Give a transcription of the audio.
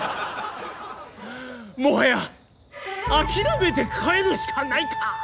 もはや諦めて帰るしかないか！